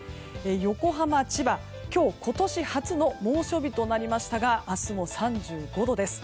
横浜、千葉は今日今年初の猛暑日となりましたが明日も３５度です。